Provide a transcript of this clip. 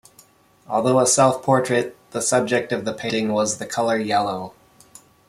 Although a self-portrait, the subject of the painting was the color yellow.